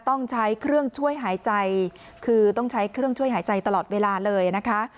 ต้องใช้เครื่องช่วยหายใจคือต้องใช้เครื่องช่วยหายใจตลอดเวลาเลยนะคะ